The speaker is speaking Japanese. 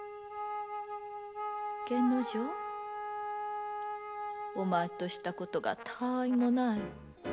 源之丞お前としたことがたわいもない。